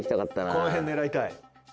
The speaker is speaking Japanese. このへん狙いたい。